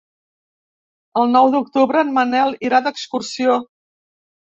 El nou d'octubre en Manel irà d'excursió.